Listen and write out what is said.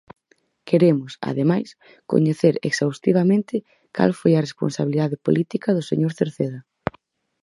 Queremos, ademais, coñecer exhaustivamente cal foi a responsabilidade política do señor Cerceda.